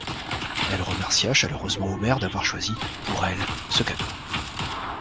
Elle remercia chaleureusement Omer d'avoir choisi, pour elle, ce cadeau.